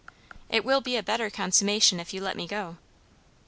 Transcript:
"It will be a better consummation, if you let me go."